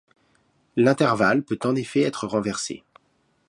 L'intervalle peut en effet être renversé.